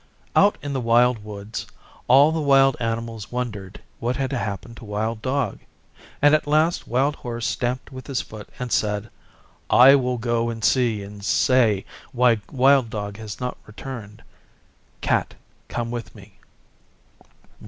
Out in the Wild Woods all the wild animals wondered what had happened to Wild Dog, and at last Wild Horse stamped with his foot and said, 'I will go and see and say why Wild Dog has not returned. Cat, come with me.